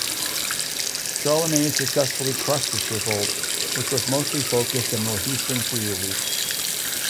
Charlemagne successfully crushed this revolt, which was mostly focused in northeastern Friuli.